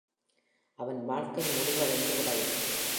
அவன் வாழ்க்கை முடிவடைந்து விடவில்லை.